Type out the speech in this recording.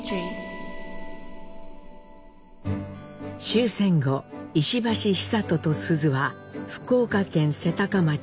終戦後石橋久渡と須壽は福岡県瀬高町